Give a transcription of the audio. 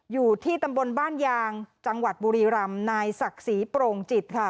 อยู่ที่ตำบลบ้านยางจังหวัดบุรีรำนายศักดิ์ศรีโปร่งจิตค่ะ